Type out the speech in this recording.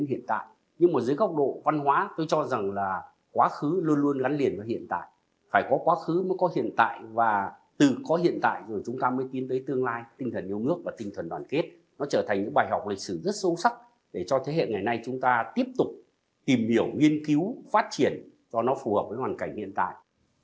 nếu chúng ta có hiện tại và từ có hiện tại rồi chúng ta mới tin tới tương lai tinh thần yêu nước và tinh thần đoàn kết nó trở thành những bài học lịch sử rất sâu sắc để cho thế hệ ngày nay chúng ta tiếp tục tìm hiểu nghiên cứu phát triển cho nó phù hợp với hoàn cảnh hiện tại